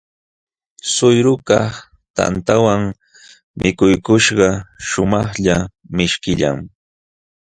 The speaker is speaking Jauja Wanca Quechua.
Śhuyrukaq tantantawan mikuykuśhqa shumaqlla mishkillam.